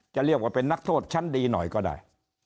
จะเรียกว่าเป็นนักโทษชั้นดีหน่อยก็ได้